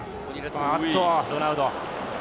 ロナウド。